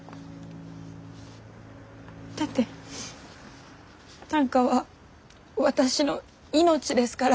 だって短歌は私の命ですから。